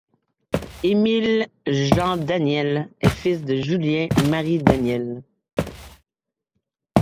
Émile Jean Daniel est le fils de Julien Marie Daniel.